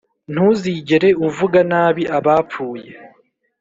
ntuzigere uvuga nabi abapfuye